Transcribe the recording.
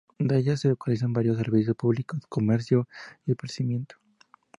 En ella se localizan varios servicios públicos, comercio y esparcimiento.